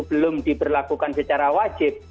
belum diberlakukan secara wajib